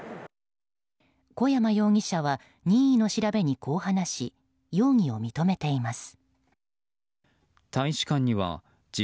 小山容疑者は任意の調べにこう話し容疑を認めています。